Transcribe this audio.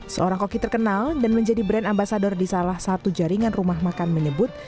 seorang koki terkenal dan menjadi brand ambasador di salah satu jaringan rumah makan menyebut